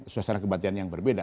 suasana kebatian yang berbeda